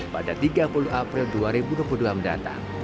pada tiga puluh april dua ribu dua puluh dua mendatang